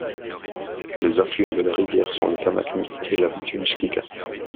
Les affluents de la rivière sont le Kamacnik et la Vitunjcica.